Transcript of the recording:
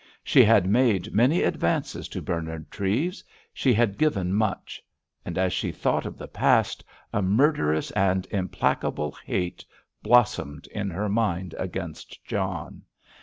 She had made many advances to Bernard Treves—she had given much. And, as she thought of the past, a murderous and implacable hate blossomed in her mind against John.